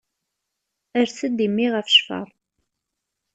Ers-d i mmi ɣef ccfer.